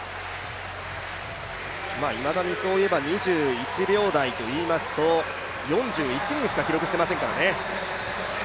いまだに、そういえば、２１秒台といいますと、４１人しか記録していませんからね。